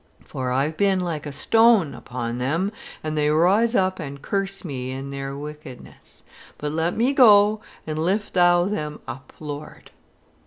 For I've been like a stone upon them, and they rise up and curse me in their wickedness. But let me go, an' lift Thou them up, Lord...."